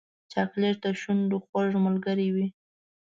چاکلېټ د شونډو خوږ ملګری وي.